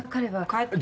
帰って。